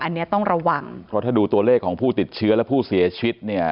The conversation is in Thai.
อันนี้ต้องระวังเพราะถ้าดูตัวเลขของผู้ติดเชื้อและผู้เสียชีวิตเนี่ย